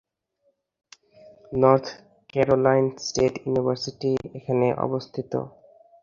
North Carolina State University এখানে অবস্থিত।